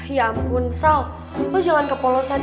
ya ampun sal lo jangan kepolosan